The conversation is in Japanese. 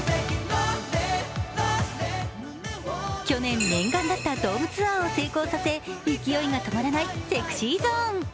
去年、念願だったドームツアーを成功させ勢いが止まらないＳｅｘｙＺｏｎｅ。